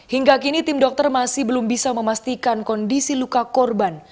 hingga kini tim dokter masih belum bisa memastikan kondisi luka korban